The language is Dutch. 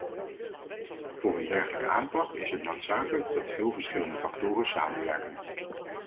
Voor een dergelijke aanpak is het noodzakelijk dat veel verschillende factoren samenwerken.